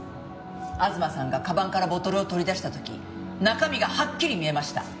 東さんが鞄からボトルを取り出した時中身がはっきり見えました。